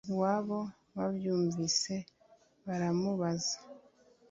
iwabo babyumvise baramubuza,